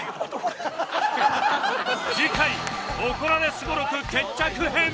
次回怒られすご録決着編！